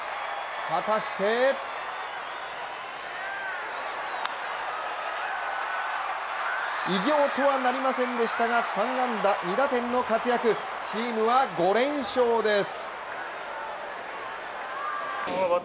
果たして偉業とはなりませんでしたが、３安打２打点の活躍、チームは５連勝です。